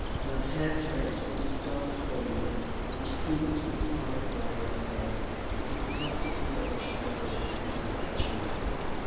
Her head dress was a dark veil which seemed to be tied about her head and passed over the shoulders under her chin.